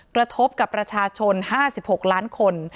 กระทบกับประชาชน๕๖ล้านคน